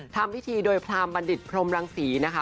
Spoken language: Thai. ทำพิธีโดยพรามบัณฑิตพรมรังศรีนะคะ